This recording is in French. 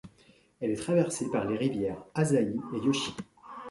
Elle est traversée par les rivières Asahi et Yoshii.